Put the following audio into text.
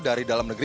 dari dalam negara